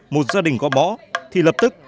một gia đình có mõ thì lập tức